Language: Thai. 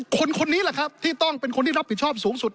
คนนี้แหละครับที่ต้องเป็นคนที่รับผิดชอบสูงสุด